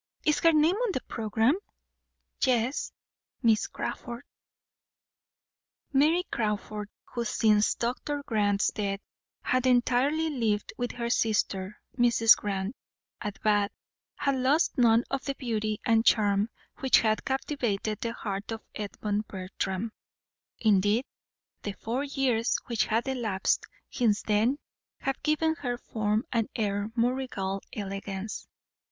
Is her name on the programme? Yes, Miss Crawford." Mary Crawford, who since Dr. Grant's death had entirely lived with her sister, Mrs. Grant, at Bath, had lost none of the beauty and charm which had captivated the heart of Edmund Bertram: indeed, the four years which had elapsed since then had given her form and air more regal elegance.